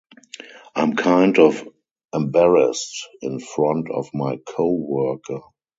I’m kind of embarrassed in front of my coworker.